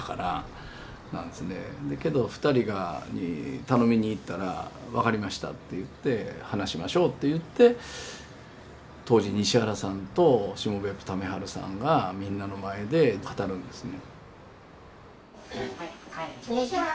けど２人に頼みに行ったら「分かりました」といって「話しましょう」といって当時西原さんと下別府為治さんがみんなの前で語るんですね。